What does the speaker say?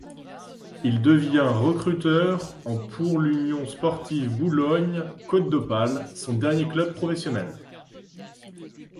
Il devient recruteur en pour l'Union Sportive Boulogne Côte d'Opale, son dernier club professionnel.